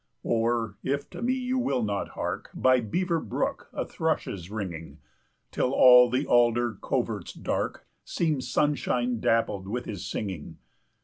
"Or, if to me you will not hark, By Beaver Brook a thrush is ringing 10 Till all the alder coverts dark Seem sunshine dappled with his singing.